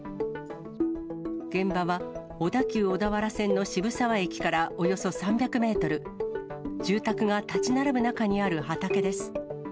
現場は小田急小田原線の渋沢駅からおよそ３００メートル、住宅が建ち並ぶ中にある畑です。